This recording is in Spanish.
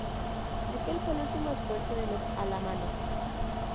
Aquel fue el último esfuerzo de los alamanes.